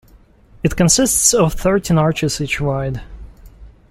It consists of thirteen arches each wide.